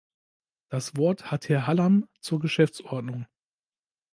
Das Wort hat Herr Hallam zur Geschäftsordnung.